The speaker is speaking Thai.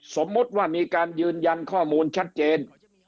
สมมุติว่ามีการยืนยันข้อมูลชัดเจน